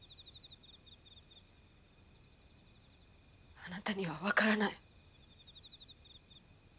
あなたには分からない。